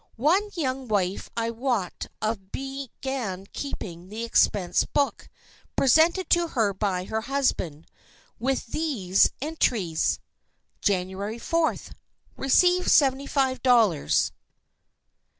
One young wife I wot of began keeping the expense book, presented to her by her husband, with these entries: "January fourth. Received $75.00 (Seventy five dollars).